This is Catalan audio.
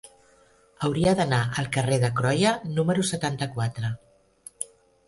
Hauria d'anar al carrer de Croia número setanta-quatre.